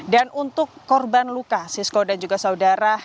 untuk korban luka siswa dan juga saudara